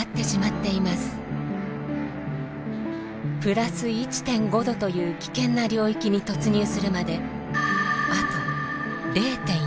＋１．５℃という危険な領域に突入するまであと０．４℃。